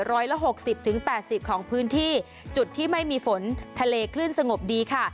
ร้อยละหกสิบถึงแปดสิบของพื้นที่จุดที่ไม่มีฝนทะเลคลื่นสงบดีค่ะ